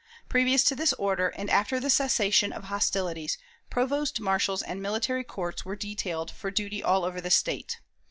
Previous to this order, and after the cessation of hostilities, provost marshals and military courts were detailed for duty all over the State.